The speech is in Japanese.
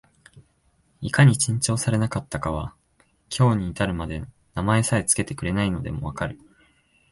いかに珍重されなかったかは、今日に至るまで名前さえつけてくれないのでも分かる